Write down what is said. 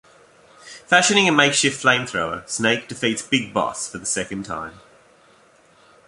Fashioning a makeshift flamethrower, Snake defeats Big Boss for the second time.